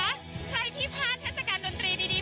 ใครที่พลาดทะสการดนตรีดีแบบนี้นะคะไม่ต้องเสียใจค่ะ